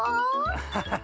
アハハハ。